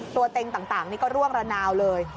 เต็งต่างนี่ก็ร่วงระนาวเลย